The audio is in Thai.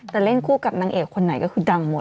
แต่เล่นคู่กับนางเอกคนไหนก็คือดังหมด